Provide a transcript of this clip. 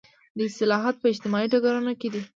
دا اصلاحات په اجتماعي ډګرونو کې دي.